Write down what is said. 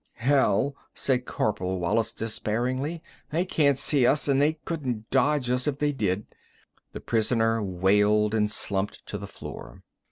"Hell," said Corporal Wallis dispairingly. "They can't see us, an' they couldn't dodge us if they did!" The prisoner wailed, and slumped to the floor.